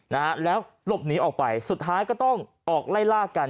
นะฮะแล้วหลบหนีออกไปสุดท้ายก็ต้องออกไล่ล่ากัน